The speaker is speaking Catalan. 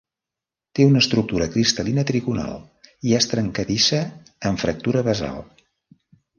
Té una estructura cristal·lina trigonal i és trencadissa, amb fractura basal.